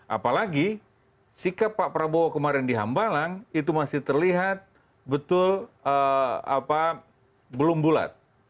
apalagi sikap pak prabowo kemarin di hambalang itu masih terlihat betul belum bulat